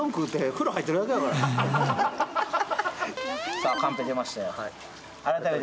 さあ、カンペ出ましたよ。